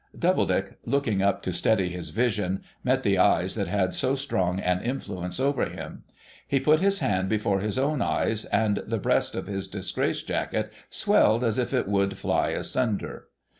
Doubledick, looking up to steady his vision, met the eyes that had so strong an influence over him. He put his hand before his own eyes, and the breast of his disgrace jacket swelled as if it would fly asunder.